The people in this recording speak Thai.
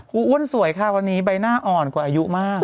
อ้วนสวยค่ะวันนี้ใบหน้าอ่อนกว่าอายุมาก